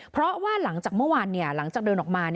เพราะว่าหลังจากเมื่อวานหลังจากเดินออกมา